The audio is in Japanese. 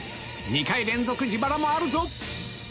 ２回連続自腹もあるぞ？